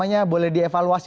pak agus boleh dievaluasi